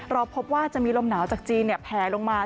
เราพบว่าจะมีลมหนาวจากจีนแผลลงมา